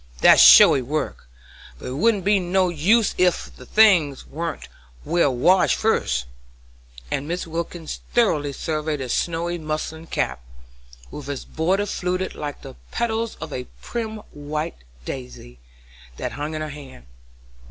That's showy work, but it wouldn't be no use ef the things warn't well washed fust," and Mrs. Wilkins thoughtfully surveyed the snowy muslin cap, with its border fluted like the petals of a prim white daisy, that hung on her hand.